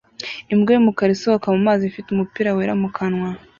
imbwa y'umukara isohoka mu mazi ifite umupira wera mu kanwa